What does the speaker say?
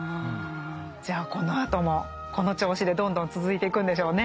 じゃあこのあともこの調子でどんどん続いていくんでしょうね。